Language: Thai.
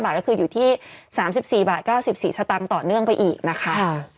๕บาทก็คืออยู่ที่๓๔๙๔บาทต่อเนื่องไปอีกนะคะ